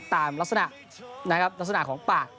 ตามลักษณะของป่า